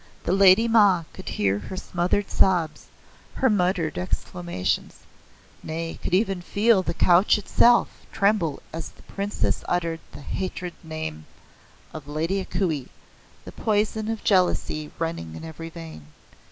The Lady Ma could hear her smothered sobs, her muttered exclamations nay could even feel the couch itself tremble as the Princess uttered the hated name of the Lady A Kuei, the poison of jealousy running in every vein.